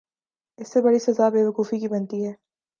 اس سے بڑی سزا بے وقوفی کی بنتی ہے۔